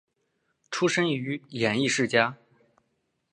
出身于演艺世家。